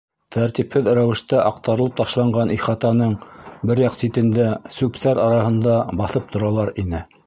Тәртипһеҙ рәүештә аҡтарылып ташланған ихатаның бер яҡ ситендә, сүп-сар араһында, баҫып торалар ине.